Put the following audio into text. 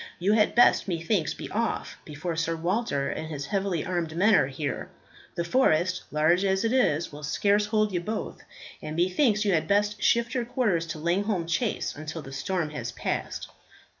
You had best, methinks, be off before Sir Walter and his heavily armed men are here. The forest, large as it is, will scarce hold you both, and methinks you had best shift your quarters to Langholm Chase until the storm has passed."